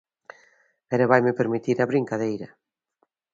Pero vaime permitir a brincadeira.